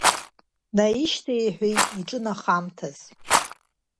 Наишьҭеиҳәеит иҿынахамҭаз.